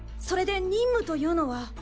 それで任務というのは？